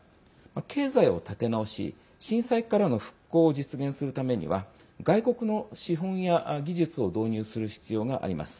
経済を立て直し大震災からの復興を実現するためには外国の資本や技術を導入する必要があります。